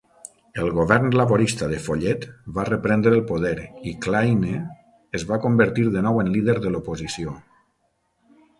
El govern laborista de Follet va reprendre el poder i Klaine es va convertir de nou en líder de l'oposició.